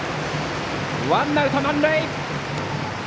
ワンアウト満塁！